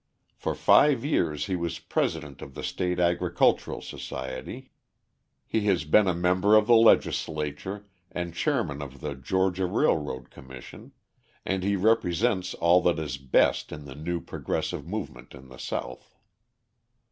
For five years he was president of the State Agricultural Society; he has been a member of the legislature and chairman of the Georgia Railroad Commission, and he represents all that is best in the new progressive movement in the South.